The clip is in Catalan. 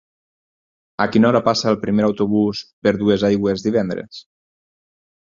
A quina hora passa el primer autobús per Duesaigües divendres?